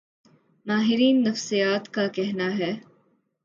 ماہرین نفسیات کا کہنا ہے